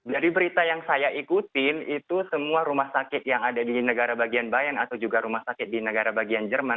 dari berita yang saya ikutin itu semua rumah sakit yang ada di negara bagian bayan atau juga rumah sakit di negara bagian jerman